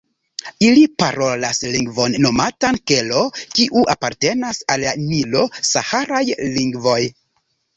Ili parolas lingvon nomatan "Kelo", kiu apartenas al la nilo-saharaj lingvoj.